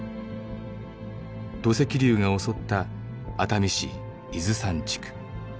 土石流が襲った熱海市伊豆山地区。